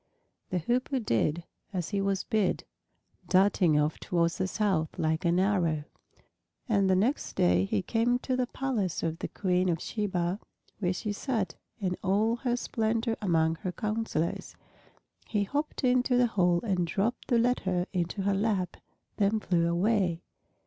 The Hoopoe did as he was bid, darting off towards the south like an arrow. And the next day he came to the palace of the Queen of Sheba, where she sat in all her splendor among her counselors. He hopped into the hall and dropped the letter into her lap, then flew away.